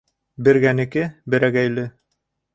Бергәнеке берәгәйле.